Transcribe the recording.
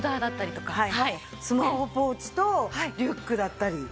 スマホポーチとリュックだったり。